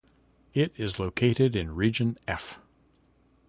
It is located in Region F.